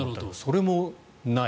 それもない。